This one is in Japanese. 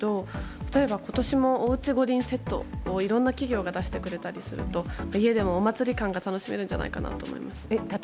例えば、今年もおうち五輪セットをいろいろな企業が出してくれると家でも、お祭り感が楽しめるんじゃないかなと思います。